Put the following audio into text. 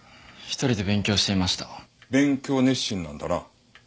勉強熱心なんだな。